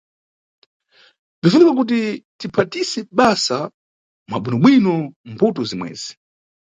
Bzinʼfunika kuti tiphatise basa mwa bwinobwino mbuto zimwezi.